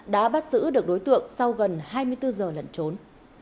đã bắt giữ được đối tượng sau gần hai mươi bốn giờ lẩn trốn